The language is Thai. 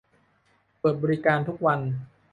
เปิดบริการทุกวัน